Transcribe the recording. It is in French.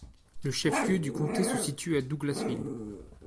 Le chef-lieu du comté se situe à Douglasville.